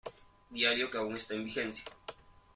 Diario que aun esta en vigencia.